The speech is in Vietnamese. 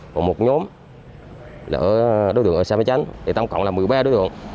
và một nhóm là đối tượng ở sà mê chánh tổng cộng là một mươi ba đối tượng